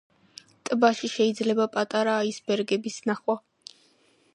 ტბაში შეიძლება პატარა აისბერგების ნახვა.